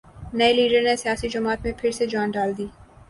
نئےلیڈر نے سیاسی جماعت میں پھر سے جان ڈال دی